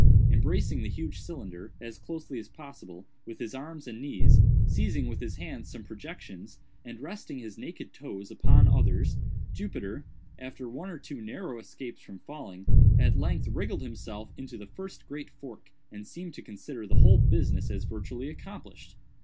Embracing the huge cylinder, as closely as possible, with his arms and knees, seizing with his hands some projections, and resting his naked toes upon others, Jupiter, after one or two narrow escapes from falling, at length wriggled himself into the first great fork, and seemed to consider the whole business as virtually accomplished.